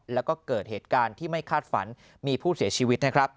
แล้วก็เกิดเหตุการณ์ที่ไม่คาดฝันมีผู้เสียชีวิตนะครับ